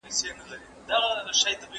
¬ د لاس د گوتو تر منځ لاهم فرق سته.